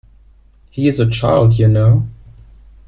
He is a child, you know!